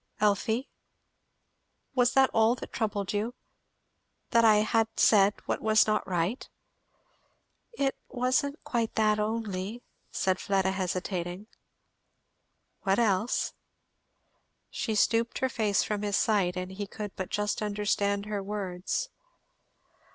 "Elfie, was that all that troubled you? that I had said what was not right?" "It wasn't quite that only," said Fleda hesitating, "What else?" She stooped her face from his sight and he could but just understand her words.